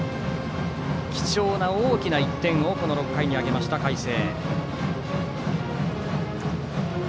貴重な大きな１点を６回に挙げました、海星。